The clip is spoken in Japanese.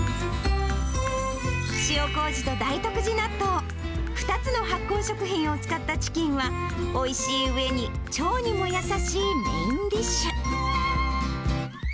塩こうじと大徳寺納豆、２つの発酵食品を使ったチキンは、おいしい上に腸にも優しいメインディッシュ。